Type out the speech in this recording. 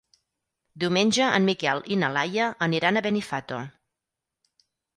Diumenge en Miquel i na Laia aniran a Benifato.